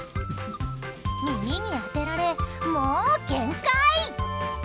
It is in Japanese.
耳に当てられ、もう限界。